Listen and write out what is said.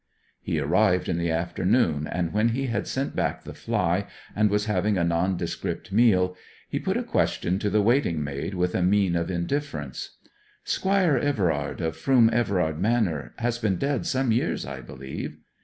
He arrived in the afternoon, and when he had sent back the fly and was having a nondescript meal, he put a question to the waiting maid with a mien of indifference. 'Squire Everard, of Froom Everard Manor, has been dead some years, I believe?'